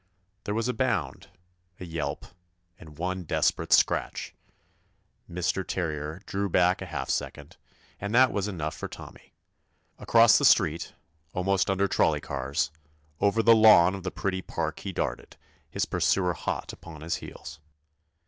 There was a bound, a yelp, and one desperate scratch I Mr. Ter rier drew back a half second, and that was enough for Tommy. Across the street, almost under trolley cars, over the lawn of the pretty park he darted, his pursuer hot upon his heels.